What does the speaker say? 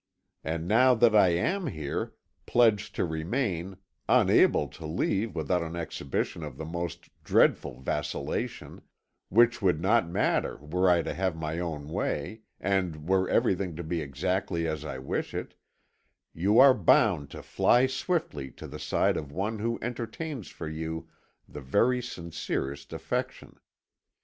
And now that I am here, pledged to remain, unable to leave without an exhibition of the most dreadful vacillation which would not matter were I to have my own way, and were everything to be exactly as I wish it you are bound to fly swiftly to the side of one who entertains for you the very sincerest affection.